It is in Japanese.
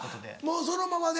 もうそのままで。